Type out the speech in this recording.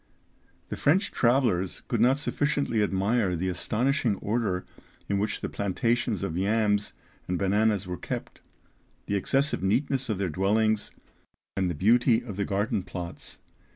The French travellers could not sufficiently admire the astonishing order in which the plantations of yams and bananas were kept, the excessive neatness of their dwellings, and the beauty of the garden plots.